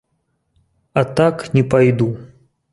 А так, не пайду.